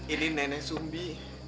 ini nenek sumbi